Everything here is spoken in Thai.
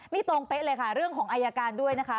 นี่ตรงเป๊ะเลยค่ะเรื่องของอายการด้วยนะคะ